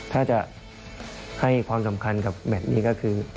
ถ้าจะให้ความสำคัญกับแมทนี้ก็คือ